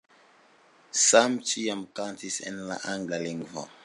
Sam ĉiam kantis en la angla lingvo.